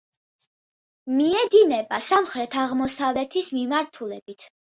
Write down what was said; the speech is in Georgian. მიედინება სამხრეთ-აღმოსავლეთის მიმართულებით.